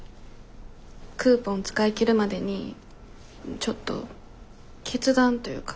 クーポン使い切るまでにちょっと決断というかしようと思って。